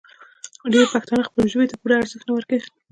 ډېری پښتانه خپلې ژبې ته پوره ارزښت نه ورکوي.